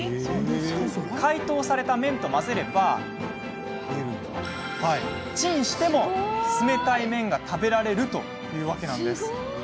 解凍された麺と混ぜればチンしても冷たい麺が食べられるというわけなんです。